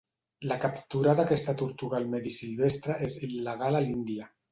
La captura d'aquesta tortuga al medi silvestre és il·legal a l'Índia.